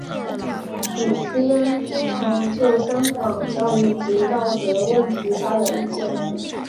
李偲嫣经常就香港教育及道德问题发表意见。